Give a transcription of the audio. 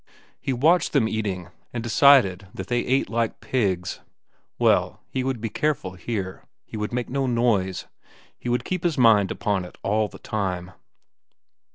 He watched them eating, and decided that they ate like pigs. Well, he would be careful here. He would make no noise. He would keep his mind upon it all the time.